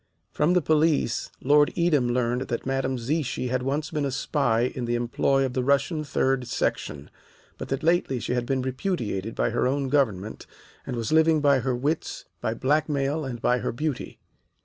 From the police Lord Edam learned that Madame Zichy had once been a spy in the employ of the Russian Third Section, but that lately she had been repudiated by her own government and was living by her wits, by blackmail, and by her beauty.